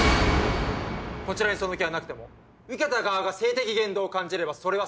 こちらにその気がなくても受けた側が性的言動と感じればそれはセクハラになります。